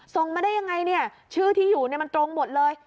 ส่งมาได้ยังไงเนี่ยชื่อที่อยู่มันตรงหมดเลย